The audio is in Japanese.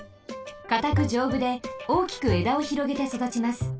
かたくじょうぶで大きくえだをひろげてそだちます。